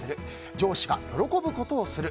上司が喜ぶことをする。